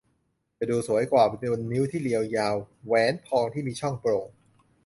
จะดูสวยกว่าบนนิ้วที่เรียวยาว แหวนทองที่มีช่องโปร่ง